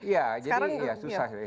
ya jadi susah